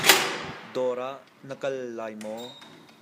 Dawr ah na kal lai maw?